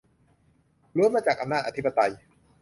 ล้วนมาจากอำนาจอธิปไตย